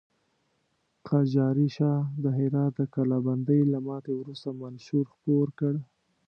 قاجاري شاه د هرات د کلابندۍ له ماتې وروسته منشور خپور کړ.